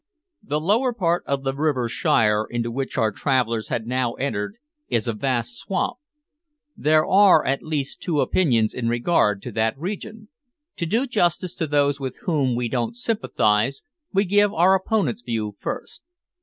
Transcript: The lower part of the river Shire, into which our travellers had now entered, is a vast swamp. There are at least two opinions in regard to that region. To do justice to those with whom we don't sympathise, we give our opponent's view first.